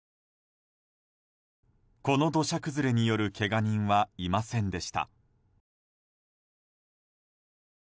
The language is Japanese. この土砂崩れによるけが人はいませんでした。